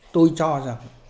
tôi cho rằng